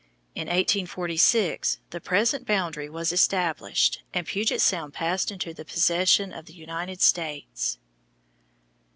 In 1846 the present boundary was established, and Puget Sound passed into the possession of the United States.